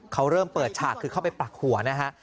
เขาเริ่มเปิดฉากคือเข้าไปปรักหัวนะฮะ